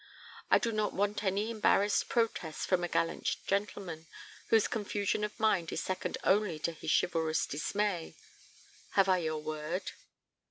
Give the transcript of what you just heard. I do not want any embarrassed protests from a gallant gentleman whose confusion of mind is second only to his chivalrous dismay. Have I your word?"